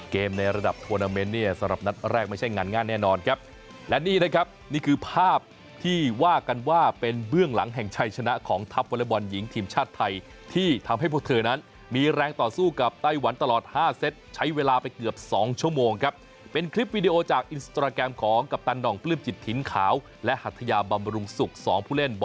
เกมในระดับทวอร์นาเมนต์เนี่ยสำหรับนัดแรกไม่ใช่งานงานแน่นอนครับและนี่นะครับนี่คือภาพที่ว่ากันว่าเป็นเบื้องหลังแห่งชัยชนะของทัพวอล์ไลน์บอลหญิงทีมชาติไทยที่ทำให้พวกเธอนั้นมีแรงต่อสู้กับไต้หวันตลอด๕เซ็ตใช้เวลาไปเกือบ๒ชั่วโมงครับเป็นคลิปวิดีโอจากอินสตราแกรมของ